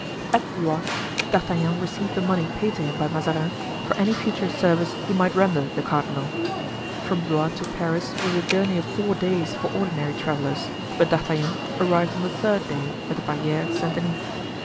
At Blois, D'Artagnan received the money paid to him by Mazarin for any future service he might render the cardinal. From Blois to Paris was a journey of four days for ordinary travelers, but D'Artagnan arrived on the third day at the Barriere Saint Denis.